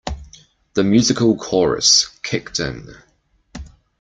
The musical chorus kicked in.